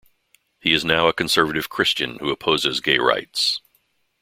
He is now a conservative Christian who opposes gay rights.